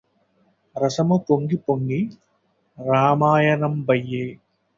రసము పొంగి పొంగి రామాయణంబయ్యె